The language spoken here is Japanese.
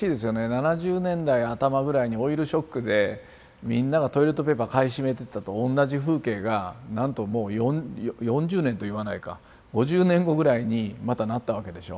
７０年代頭ぐらいにオイルショックでみんながトイレットペーパー買い占めてたのと同じ風景がなんともう４０年といわないか５０年後ぐらいにまたなったわけでしょ。